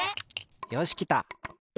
よしきた。